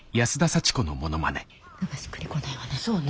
何かしっくりこないわね。